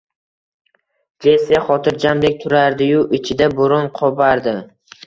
Jessi xotirjamdek turardi-yu, ichida bo`ron qo`pardi